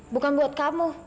bukan buat kamu